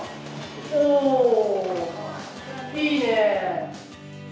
おー、いいね。